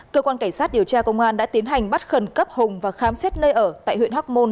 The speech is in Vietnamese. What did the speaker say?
cơ quan cảnh sát điều tra công an đã tiến hành bắt khẩn cấp hùng và khám xét nơi ở tại huyện hóc môn